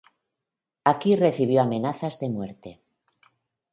Aquí recibió amenazas de muerte.